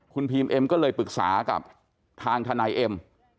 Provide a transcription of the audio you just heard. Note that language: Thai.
คุณพีมเอ็มก็เลยปรึกษากับทางทนายเอ็ม